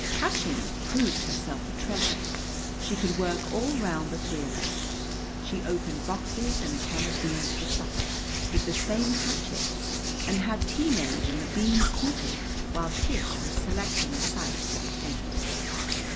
Hutchins proved herself a treasure. She could work all round the three of us; she opened boxes and a can of beans for supper with the same hatchet, and had tea made and the beans heated while Tish was selecting a site for the tent.